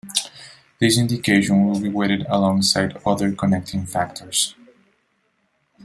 This indication will be weighed alongside other connecting factors.